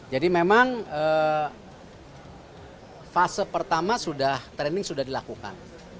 jadi memang fase pertama sudah training sudah dilakukan